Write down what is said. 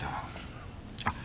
あっ。